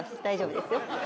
大丈夫ですよ。